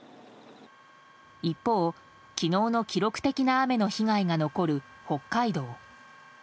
一方、昨日の記録的な雨の被害が残る北海道。